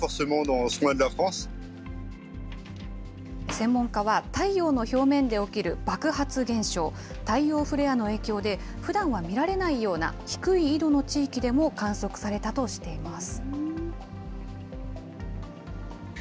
専門家は、太陽の表面で起きる爆発現象、太陽フレアの影響で、ふだんは見られないような、低い緯度の地域でも観測されたとしています。